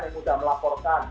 yang mudah melaporkan